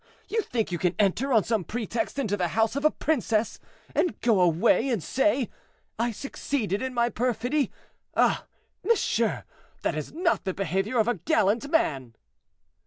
Ah! you think you can enter, on some pretext, into the house of a princess, and go away and say, 'I succeeded in my perfidy.' Ah! monsieur, that is not the behavior of a gallant man."